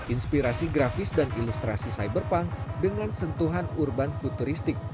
inspirasi grafis dan ilustrasi cyberpunk dengan sentuhan urban futuristik